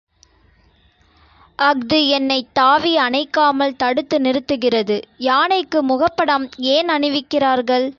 அஃது என்னைத் தாவி அணைக்காமல் தடுத்து நிறுத்துகிறது யானைக்கு முகபடாம் ஏன் அணிவிக்கிறார்கள்?